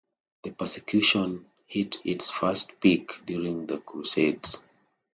The persecution hit its first peak during the Crusades.